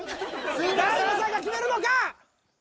大悟さんが決めるのか！？